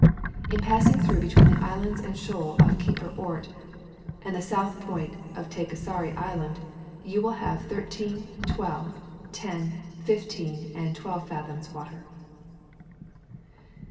In passing through between the islands and shoal off Keyper Ort and the south point of Tejkasari Island, you will have 13, 12, 10, 15, and 12 fathoms water.